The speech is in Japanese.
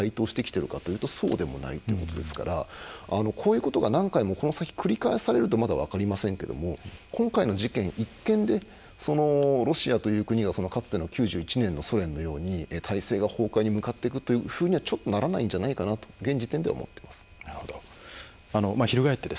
誰か第三極が台頭してきてるかというとそうでもないということですからこういうことが何回もこの先、繰り返されるとまだ分かりませんけども今回の事件一件でロシアという国がかつての９１年のソ連のように体制が崩壊に向かっていくというふうにはならないんじゃないかなと現時点で思っています。